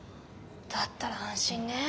だったら安心ね。